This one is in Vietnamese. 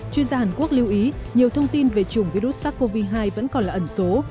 chuyên gia hàn quốc lưu ý nhiều thông tin về chủng virus sars cov hai vẫn còn là ẩn số